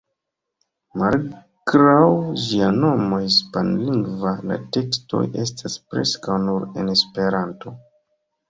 Malgraŭ ĝia nomo hispanlingva, la tekstoj estas preskaŭ nur en Esperanto.